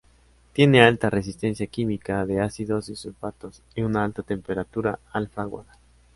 Tiene alta resistencia química, de ácidos y sulfatos, y una alta temperatura al fraguar.